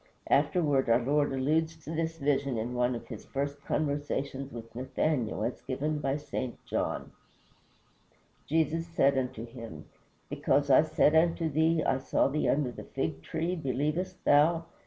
Afterward our Lord alludes to this vision in one of his first conversations with Nathaniel, as given by St. John: "Jesus said unto him, Because I said unto thee, I saw thee under the fig tree, believest thou?